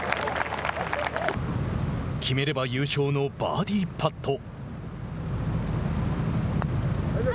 決めれば優勝のバーディーパット。